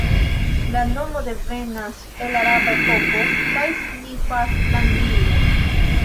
La nomo devenas el araba epoko kaj signifas "landlimo".